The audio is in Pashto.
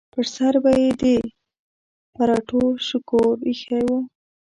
پر سر به یې د پراټو شکور ایښی و.